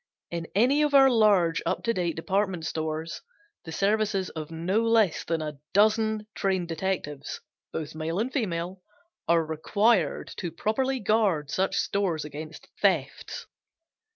In any of our large up to date department stores the services of no less than a dozen trained detectives, both male and female, are required to properly guard such stores against thefts.